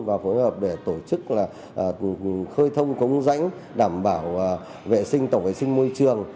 và phối hợp để tổ chức khơi thông cống rãnh đảm bảo tổng vệ sinh môi trường và phun khử khuẩn diện rộng